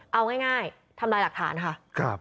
เอาง่ายทำลายหลักฐานค่ะ